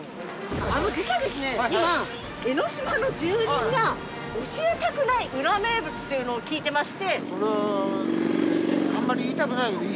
実は今江の島の住人が教えたくない裏名物っていうのを聞いてまして。